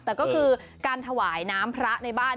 แต่ก็คือการถวายน้ำพระในบ้าน